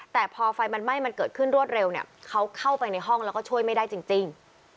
แต่พอไฟมันไหม้มันเกิดขึ้นรวดเร็วเนี่ยเขาเข้าไปในห้องแล้วก็ช่วยไม่ได้จริง